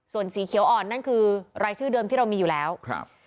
ส่วนสีเขียวอ่อนนั่นคือรายชื่อเดิมที่เรามีอยู่แล้วครับ